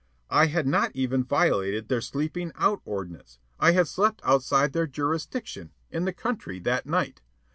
I had not even violated their "sleeping out" ordinance. I had slept outside their jurisdiction, in the country, that night.